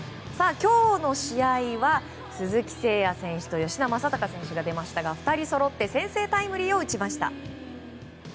今日の試合は鈴木誠也選手と吉田正尚選手が出ましたが２人そろって先制タイムリーを打ちました。